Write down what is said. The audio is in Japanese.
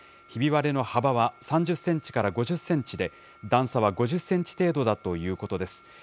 ひび割れの幅は３０センチから５０センチで、段差は５０センチ程度だということです。